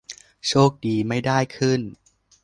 โชคดีไม่ได้ขึ้น